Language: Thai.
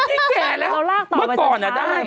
ไม่ได้มิพี่แก่ร้าเมื่อก่อนอ่ะได้